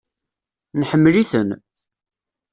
Neḥemmel-iten.